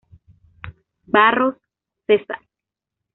Barros, Cesar.